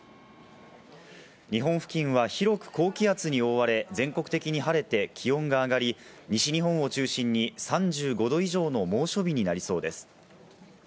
日本付近は広く高気圧に覆われ、全国的に晴れて気温が上がり、西日本を中心に３５℃以上の猛暑日になりそうです。